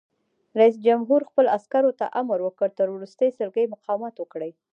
رئیس جمهور خپلو عسکرو ته امر وکړ؛ تر وروستۍ سلګۍ مقاومت وکړئ!